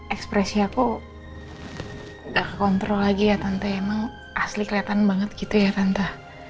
ekspresi aku gak kekontrol lagi ya tante emang asli kelihatan banget gitu ya tante